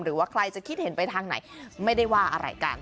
หรือว่าใครจะคิดเห็นไปทางไหนไม่ได้ว่าอะไรกัน